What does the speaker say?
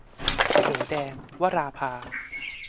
หมูแดง - วราภา